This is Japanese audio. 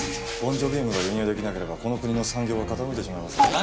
ボンジョビウムが輸入出来なければこの国の産業は傾いてしまいます。